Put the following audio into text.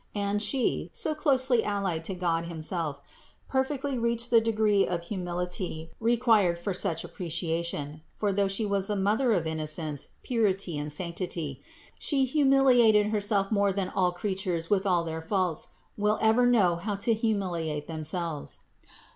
And She, so closely allied to God himself, perfectly reached the degree of humility required for such appreciation; for though She was the Mother of innocence, purity and sanctity, She humiliated Herself more than all creatures with all their faults will ever know how to humiliate themselves.